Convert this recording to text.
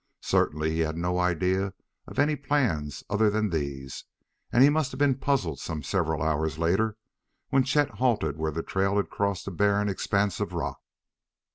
Certainly he had no idea of any plans other than these, and he must have been puzzled some several hours later when Chet halted where the trail had crossed a barren expanse of rock.